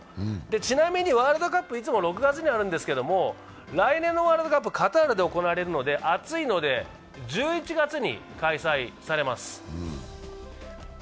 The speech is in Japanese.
ちなみに、ワールドカップいつも６月にあるんですけれども来年のワールドカップ、カタールで行われるので暑いので１１月に開催されます。